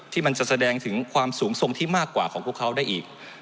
ที่มันจะแสดงถึงความสูงทรงที่มากกว่าของพวกเขาได้อีก